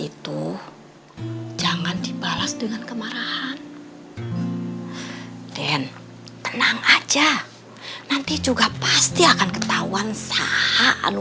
itu jangan dibalas dengan kemarahan dan tenang aja nanti juga pasti akan ketahuan saat anu